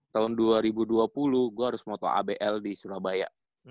tahun dua ribu dua puluh gue harus moto abl di surabaya